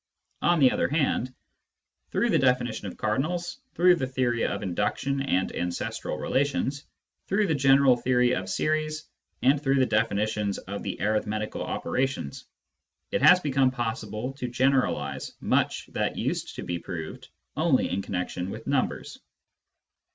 On the other hand, through the definition of cardinals, through the theory of induction and ancestral relations, through the general theory of series, and through the definitions of the arithmetical operations, it has become possible to generalise much that used to be proved only in connection with numbers.